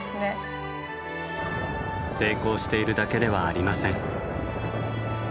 成功しているだけではありません。